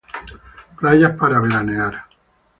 Playas para veranear.